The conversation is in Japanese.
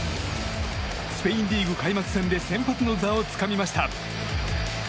スペインリーグ開幕戦で先発の座をつかみました。